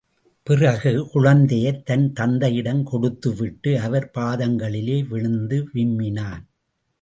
பிறகு, குழந்தையைத் தன் தந்தையிடம் கொடுத்துவிட்டு, அவர் பாதங்களிலே விழுந்து விம்மினான்.